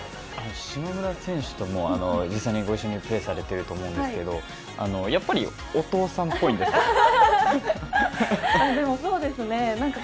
島村選手とも一緒に実際にプレーされてると思うんですがやっぱりお父さんっぽいんですか？